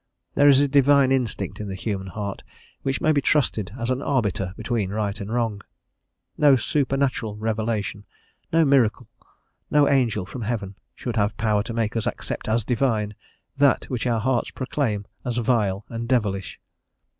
There is a divine instinct in the human heart which may be trusted as an arbiter between right and wrong; no supernatural revelation, no miracle, no angel from heaven, should have power to make us accept as divine that which our hearts proclaim as vile and devilish.